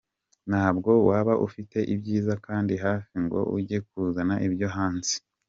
Ntabwo waba ufite ibyiza kandi hafi ngo ujye kuzana ibyo hanze.